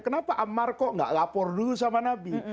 kenapa amar kok gak lapor dulu sama nabi